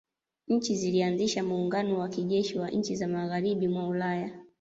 Nchi zilianzisha muungano wa kijeshi wa nchi za magharibi mwa Ulaya